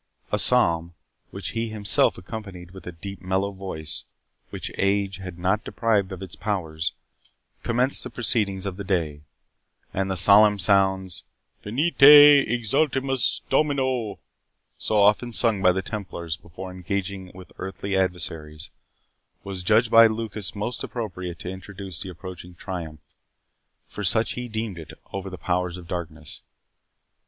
A psalm, which he himself accompanied with a deep mellow voice, which age had not deprived of its powers, commenced the proceedings of the day; and the solemn sounds, "Venite exultemus Domino", so often sung by the Templars before engaging with earthly adversaries, was judged by Lucas most appropriate to introduce the approaching triumph, for such he deemed it, over the powers of darkness.